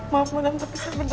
maaf madame tapi saya benar benar